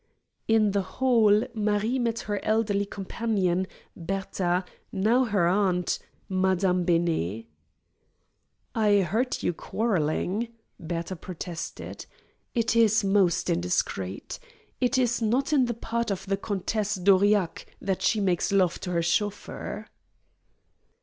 In the hall Marie met her elderly companion, Bertha, now her aunt, Madame Benet. "I heard you quarrelling," Bertha protested. "It is most indiscreet. It is not in the part of the Countess d'Aurillac that she makes love to her chauffeur."